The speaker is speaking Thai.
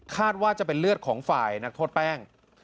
ว่าจะเป็นเลือดของฝ่ายนักโทษแป้ง